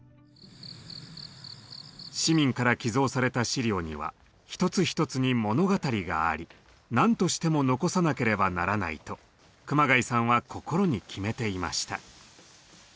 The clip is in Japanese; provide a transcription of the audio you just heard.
市民から寄贈された資料には一つ一つに物語があり何としても残さなければならないと熊谷さんは心に決めていました。